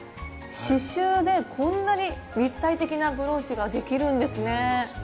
刺しゅうでこんなに立体的なブローチができるんですね。